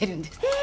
え！